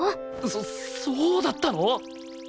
そそうだったの？